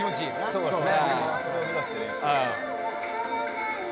そうですね。